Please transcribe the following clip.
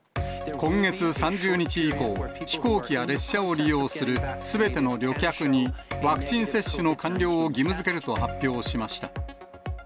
今月３０日以降、飛行機や列車を利用するすべての旅客に、ワクチン接種の完了を義務づけると発表しました。